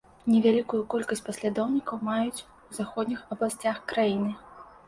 Невялікую колькасць паслядоўнікаў маюць у заходніх абласцях краіны.